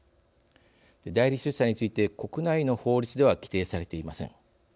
代理出産について国内の法律では規定されていません。